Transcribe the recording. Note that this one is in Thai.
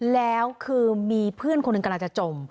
แล้วคือมีเพื่อนคนหนึ่งกำลังจะจม